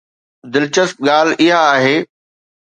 دلچسپ ڳالهه اها آهي.